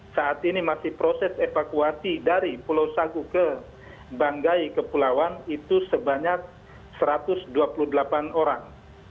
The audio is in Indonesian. saat ini masih proses evakuasi dari pulau sagu ke banggai kepulauan itu sebanyak satu ratus dua puluh delapan orang